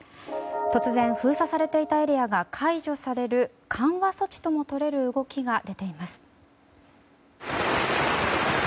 突然、封鎖されていたエリアが解除される緩和措置とも取れる動きが出ています。